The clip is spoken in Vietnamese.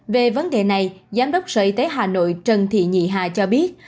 về vấn đề này giám đốc sở y tế hà nội trần thị nhị hà cho biết